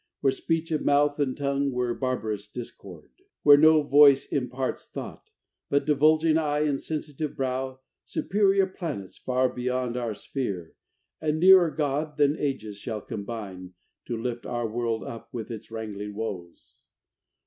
Where speech of mouth and tongue Were barbarous discord. Where no voice imparts Thought, but divulging eye and sensitive brow. Superior planets, far beyond our sphere, And nearer God than ages shall combine To lift our world up with its wrangling woes.